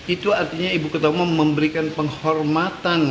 itu artinya ibu ketua umum memberikan penghormatan